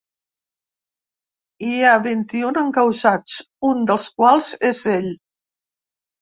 Hi ha vint-i-un encausats, un dels quals és ell.